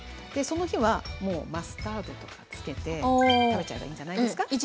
でその日はもうマスタードとかつけて食べちゃえばいいんじゃないですか。